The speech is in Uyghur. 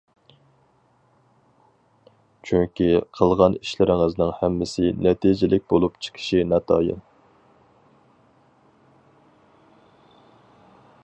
چۈنكى، قىلغان ئىشلىرىڭىزنىڭ ھەممىسى نەتىجىلىك بولۇپ چىقىشى ناتايىن.